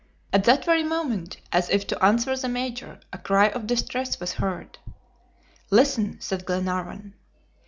At that very moment, as if to answer the Major, a cry of distress was heard. "Listen!" said Glenarvan.